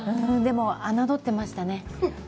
でも侮ってましたね。